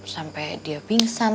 sampe dia pingsan